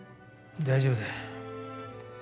大丈夫だ。